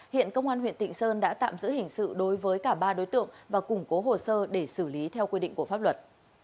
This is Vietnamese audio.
hiện công an huyện tịnh sơn đã tạm giữ hình sự đối với cả ba đối tượng và củng cố hồ sơ để xử lý theo quy định của pháp luật